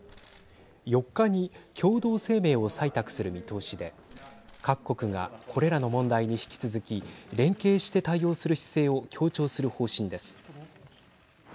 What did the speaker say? ４日に共同声明を採択する見通しで各国がこれらの問題に引き続き連携して対応する姿勢を強調する方針です。